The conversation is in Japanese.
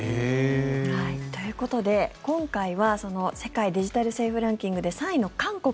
ということで、今回は世界デジタル政府ランキングで３位の韓国。